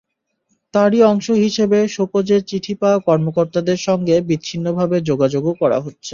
তারই অংশ হিসেবে শোকজের চিঠি পাওয়া কর্মকর্তাদের সঙ্গে বিচ্ছিন্নভাবে যোগাযোগও করা হচ্ছে।